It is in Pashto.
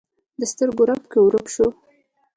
د سترګو رپ کې ورک شو